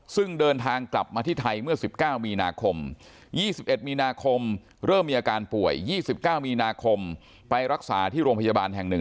ซึ่งเดินทางกลับมาที่ไทยเมื่อ๑๙มีนาคม๒๑มีนาคมเริ่มมีอาการป่วย๒๙มีนาคมไปรักษาที่โรงพยาบาลแห่ง๑